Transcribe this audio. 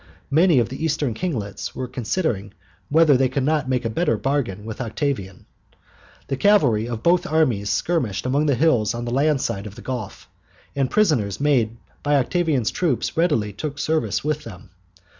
Many of the Eastern kinglets were considering whether they could not make a better bargain with Octavian. The cavalry of both armies skirmished among the hills on the land side of the Gulf, and prisoners made by Octavian's troops readily took service with them.